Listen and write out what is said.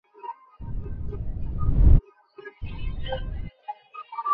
তবে পরবর্তী সভাটার দিকে নিশ্চয়ই তাকিয়ে থাকবে দেশের হাজার হাজার নবীন ক্রিকেটারও।